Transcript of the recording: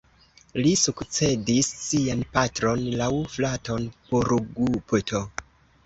Li sukcedis sian patron aŭ fraton Purugupto.